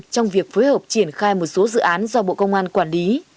trong việc phối hợp triển khai một số dự án do bộ công an quản lý